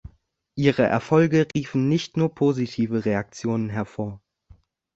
Ihre Erfolge riefen nicht nur positive Reaktionen hervor.